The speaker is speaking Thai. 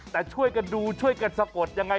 แต่ช่วยกันดูช่วยกันสะกดยังไง